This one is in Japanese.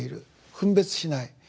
分別しない。